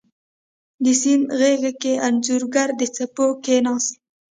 د سیند غیږ کې انځورګر د څپو کښېناست